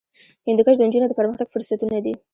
هندوکش د نجونو د پرمختګ فرصتونه دي.